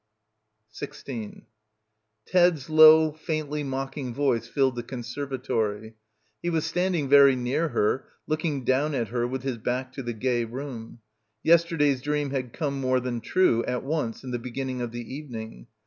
16 Ted's low, faintly mocking voice filled the con servatory. — 59 — PILGRIMAGE He was standing very near her, looking down at her with his back to the gay room. Yesterday's dream had come more than true, at once, at the beginning of the evening.